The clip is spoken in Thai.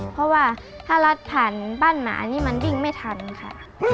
เพราะว่าถ้ารัดผ่านบ้านหมานี่มันวิ่งไม่ทันค่ะ